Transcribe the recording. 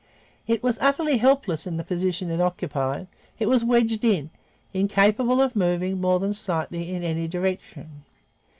It was utterly helpless in the position it occupied. It was wedged in, incapable of moving more than slightly in any direction.